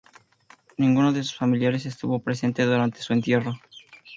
Ninguno de sus familiares estuvo presente durante su entierro.